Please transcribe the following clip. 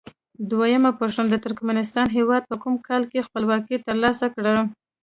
دویمه پوښتنه: د ترکمنستان هیواد په کوم کال کې خپلواکي تر لاسه کړه؟